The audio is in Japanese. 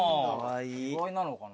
意外なのかな。